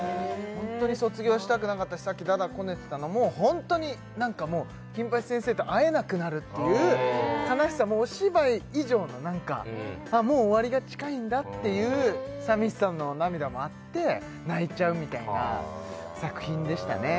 ホントに卒業したくなかったしさっきダダこねてたのもホントに何かもう金八先生と会えなくなるっていう悲しさもお芝居以上の何かもう終わりが近いんだっていう寂しさの涙もあって泣いちゃうみたいな作品でしたね